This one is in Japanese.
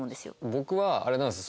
僕はあれなんですよ。